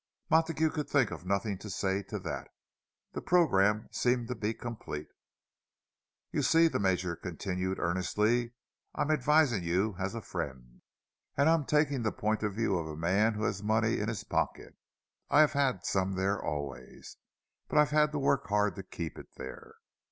Montague could think of nothing to say to that. The programme seemed to be complete. "You see," the Major continued, earnestly, "I'm advising you as a friend, and I'm taking the point of view of a man who has money in his pocket. I've had some there always, but I've had to work hard to keep it there.